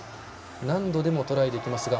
何度でもトライできますが。